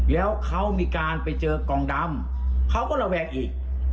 แล้วเขามีการไปเจอกองดำเขาก็ระแวงอีก